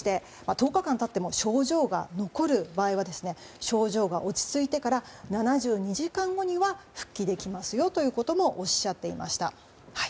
１０日間経っても症状が残る場合は症状が落ち着いてから７２時間後には復帰できますよともおっしゃっていました。